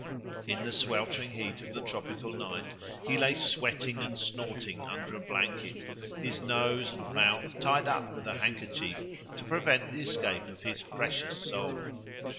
In the sweltering heat of the tropical night he lay sweating and snorting under a blanket, his nose and mouth tied up with a handkerchief to prevent the escape of his precious soul.